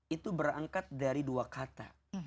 itu berangkat dari dua kata